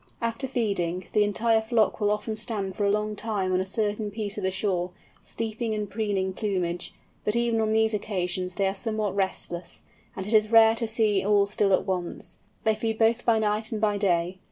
After feeding, the entire flock will often stand for a long time on a certain piece of the shore, sleeping and preening plumage, but even on these occasions they are somewhat restless, and it is rare to see all still at once. They feed both by night and by day.